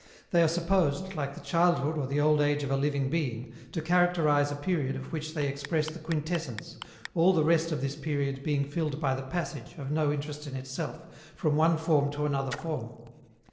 They are supposed, like the childhood or the old age of a living being, to characterize a period of which they express the quintessence, all the rest of this period being filled by the passage, of no interest in itself, from one form to another form.